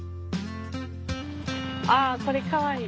あっこれかわいい。